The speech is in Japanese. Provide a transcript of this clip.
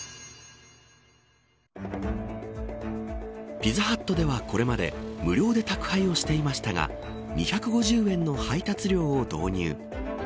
ピザハットではこれまで無料で宅配をしていましたが２５０円の配達料を導入。